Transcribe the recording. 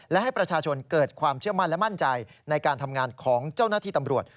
และให้ประชาชนเกิดความเชื่อมั่นและมั่นใจในการทำงานของเจ้าหน้าที่ตำรวจ